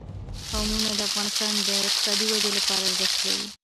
قومونه د افغانستان د اقتصادي ودې لپاره ارزښت لري.